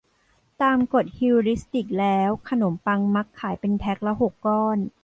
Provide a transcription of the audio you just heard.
ตามกฏฮิวริสติกแล้วขนมปังมักขายเป็นแพคละหกก้อน